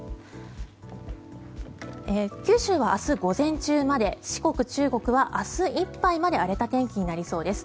九州は明日午前中まで四国・中国は明日いっぱいまで荒れた天気になりそうです。